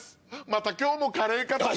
「また今日もカレーか」と。